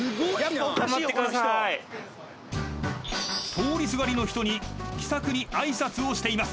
［通りすがりの人に気さくに挨拶をしています］